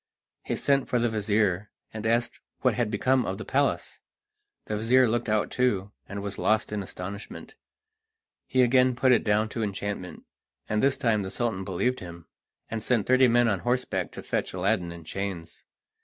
He sent for the vizir, and asked what had become of the palace. The vizir looked out too, and was lost in astonishment. He again put it down to enchantment, and this time the Sultan believed him, and sent thirty men on horseback to fetch Aladdin in chains.